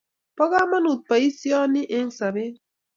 Po kamanut poisyoni eng' sobet